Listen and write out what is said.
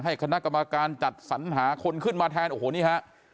คณะกรรมการจัดสัญหาคนขึ้นมาแทนโอ้โหนี่ฮะ